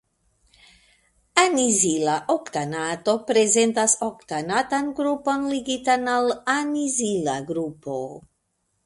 Anizila oktanato prezentas oktanatan grupon ligitan al anizila grupo.